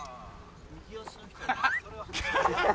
ハハハ。